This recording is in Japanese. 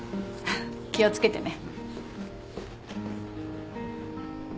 気を付けてね。